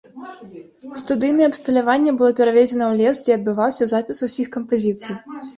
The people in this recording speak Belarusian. Студыйнае абсталяванне было перавезена ў лес, дзе і адбываўся запіс усіх кампазіцый.